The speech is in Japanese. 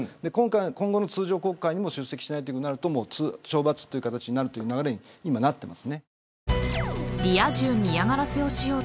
今後の通常国会にも出席しないとなると懲罰という流れになっています。